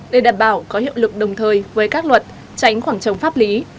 để đảm bảo có hiệu lực đồng thời với các luật tránh khoảng trống pháp lý